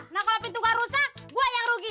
nah kalau pintu gua rusak gua yang rugi